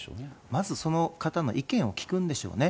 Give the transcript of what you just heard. まずその方の意見を聞くんでしょうね。